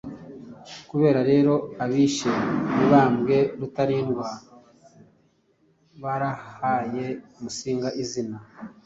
Kuba rero abishe Mibambwe Rutalindwa barahaye Musinga izina